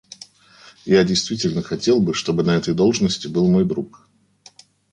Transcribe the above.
Я действительно хотел бы, чтобы на этой должности был мой друг.